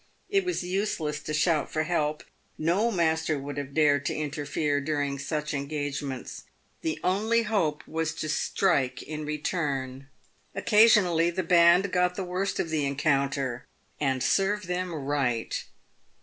It was useless to shout for help ; no master would have dared to interfere during such engagements. The only hope was to strike in return. V (fS^A %&% :n> w/ PAVED WITH GOLD. 311 Occasionally the band got the worst of the encounter — and serve them right.